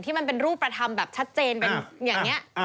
มันเป็นรูปธรรมแบบชัดเจนเป็นอย่างนี้